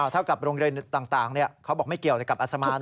เท่ากับโรงเรียนต่างเขาบอกไม่เกี่ยวอะไรกับอัศมาน